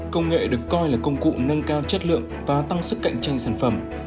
công nghệ được coi là công cụ nâng cao chất lượng và tăng sức cạnh tranh sản phẩm